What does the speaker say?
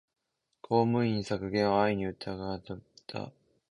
公務員削減を安易にうたうが、雇用の受け皿の一つであり、住民サービスの基本でもある